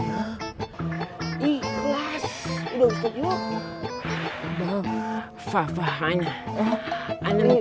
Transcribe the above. pati patiku suryanna setting up